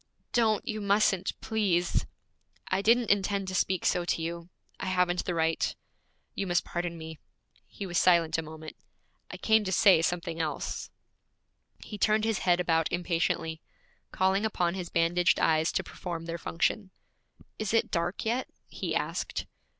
'Don't! You mustn't, please!' 'I didn't intend to speak so to you. I haven't the right. You must pardon me.' He was silent a moment. 'I came to say something else.' He turned his head about impatiently, calling upon his bandaged eyes to perform their function. 'Is it dark yet?' he asked.